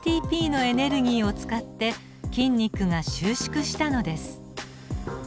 ＡＴＰのエネルギーを使って筋肉が収縮したのです。